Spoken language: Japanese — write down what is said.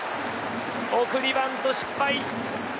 送りバント失敗。